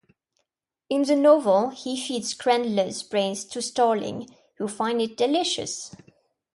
In the novel, he feeds Krendler's brain to Starling, who finds it delicious.